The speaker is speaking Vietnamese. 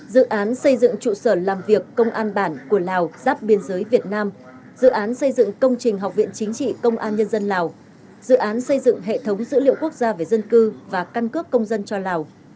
dự án xây dựng trụ sở làm việc công an bản của lào giáp biên giới việt nam dự án xây dựng công trình học viện chính trị công an nhân dân lào dự án xây dựng hệ thống dữ liệu quốc gia về dân cư và căn cước công dân cho lào